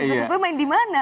sebetulnya main di mana